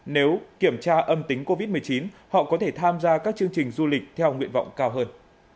nếu kiểm tra âm tính covid một mươi chín họ có thể tham gia các chương trình du lịch theo nguyện vọng cao hơn